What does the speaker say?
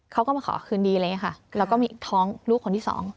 เขาก็มาขอคืนดีอะไรอย่างนี้ค่ะแล้วก็มีท้องลูกคนที่สอง